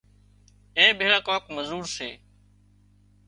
اين ڀيۯا ڪانڪ مزور سي